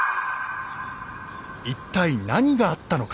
一体何があったのか。